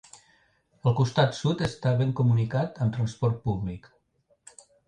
El costat sud està ben comunicat amb transport públic.